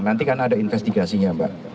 nanti kan ada investigasinya mbak